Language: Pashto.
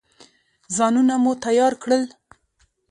ځانونه مو تیار کړل.